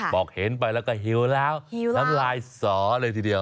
บอกเห็นไปแล้วก็หิวแล้วหิวน้ำลายสอเลยทีเดียว